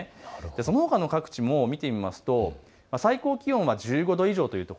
そのほかの各地も見てみますと最高気温は１５度以上。